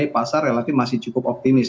pasar relatif masih cukup optimis